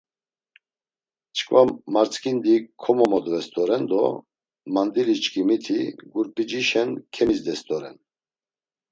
Çkva martzǩindi komomodves doren do mandili çkimiti gurp̌icişen kemizdes doren.